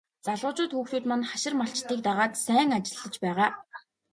Залуучууд хүүхдүүд маань хашир малчдыг дагаад сайн ажиллаж байгаа.